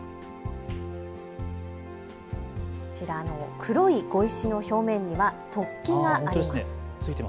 こちらの黒い碁石の表面には突起があります。